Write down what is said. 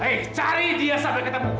hei cari dia sampai ketemu